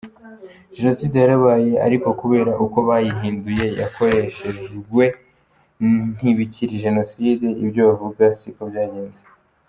Jenoside yarabaye, ariko kubera uko bayihinduye, yakoreshejwe, ntibikiri jenoside, ibyo bavuga siko byagenze.